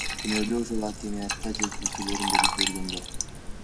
Күнөөлүү ошол акимиатта жер тилкелерин бөлүп бергендер.